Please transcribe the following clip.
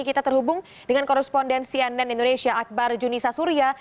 kita terhubung dengan korespondensi ann indonesia akbar junisa surya